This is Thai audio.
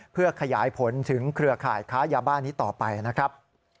เพื่อขยายผลถึงเครือข่ายค้ายาบ้านี้ต่อไปนะครับ